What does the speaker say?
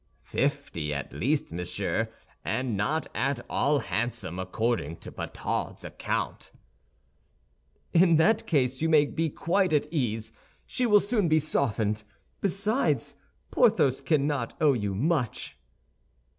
"Fifty at least, monsieur, and not at all handsome, according to Pathaud's account." "In that case, you may be quite at ease; she will soon be softened. Besides, Porthos cannot owe you much."